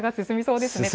進みそうです。